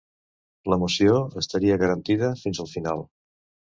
L'emoció estaria garantida fins al final.